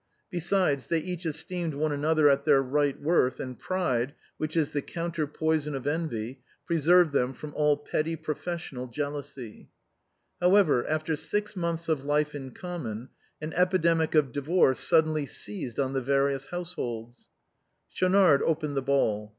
Besides, they each esteemed one another at their right worth, and pride, which is the antidote 188 THE BOHEMIANS OF THE LATIN QUARTER. for envy, preserved them from all petty professional jeal ousy. However, after six months of life in common, an epi demic of divorce suddenly seized on the various households, Schaunard opened the ball.